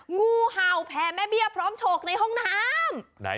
งูเห่าแผ่แม่เบี้ยพร้อมโฉกในห้องน้ำ